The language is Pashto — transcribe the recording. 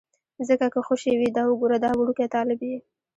ځکه که خوشې وي، دا وګوره دا وړوکی طالب یې.